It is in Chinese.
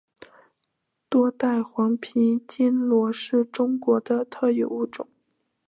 多带黄皮坚螺是中国的特有物种。